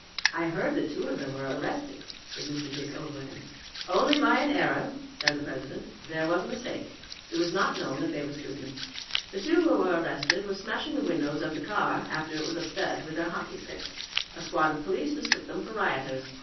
"I heard that two of them were arrested," said Mr. Dick Overend. "Only by an error," said the president. "There was a mistake. It was not known that they were students. The two who were arrested were smashing the windows of the car, after it was upset, with their hockey sticks. A squad of police mistook them for rioters.